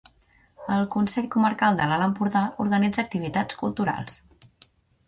El Consell Comarcal de l'Alt Empordà organitza activitats culturals.